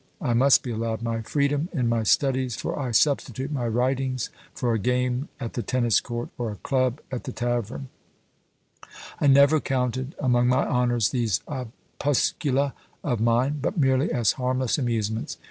"I must be allowed my freedom in my studies, for I substitute my writings for a game at the tennis court, or a club at the tavern; I never counted among my honours these opuscula of mine, but merely as harmless amusements.